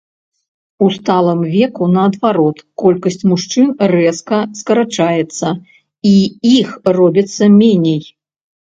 У сталым веку наадварот колькасць мужчын рэзка скарачаецца і іх робіцца меней.